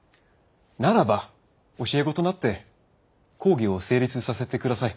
ならば教え子となって講義を成立させて下さい。